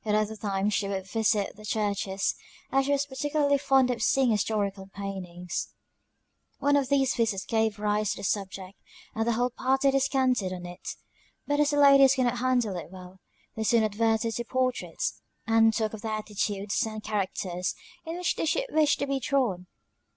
At other times she would visit the churches, as she was particularly fond of seeing historical paintings. One of these visits gave rise to the subject, and the whole party descanted on it; but as the ladies could not handle it well, they soon adverted to portraits; and talked of the attitudes and characters in which they should wish to be drawn.